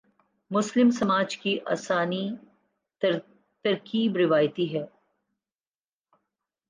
مسلم سماج کی اساسی ترکیب روایتی ہے۔